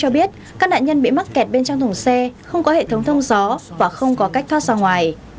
thảm phán này cũng cho biết các nạn nhân bị mắc kẹt bên trong thùng xe không có hệ thống thông gió và không có cách thoát ra ngoài